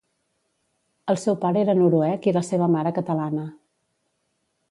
El seu pare era noruec i la seva mare catalana.